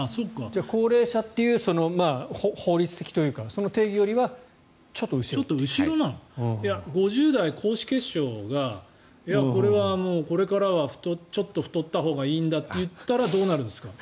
高齢者という法律的というか、その定義よりは５０歳、高脂血症がこれはこれからはちょっと太ったほうがいいんだと言ったらどうなるんですか。